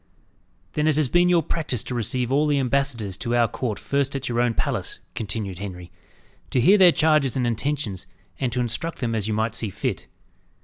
"Then it has been your practice to receive all the ambassadors to our court first at your own palace," continued Henry, "to hear their charges and intentions, and to instruct them as you might see fit.